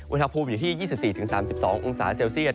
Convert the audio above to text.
อุณหภูมิอยู่ที่๒๔๓๒องศาเซลเซียต